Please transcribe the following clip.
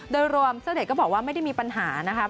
โดยรวมเสื้อเดชก็บอกว่าไม่ได้มีปัญหานะคะ